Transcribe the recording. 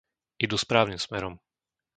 Idú správnym smerom.